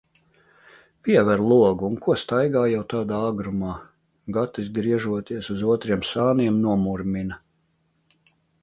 "Piever logu un ko staigā jau tādā agrumā?" Gatis, griežoties uz otriem sāniem, nomurmina.